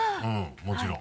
もちろん。